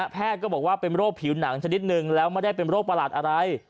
ก็บอกว่าเป็นโรคผิวหนังชนิดนึงแล้วไม่ได้เป็นโรคประหลาดอะไร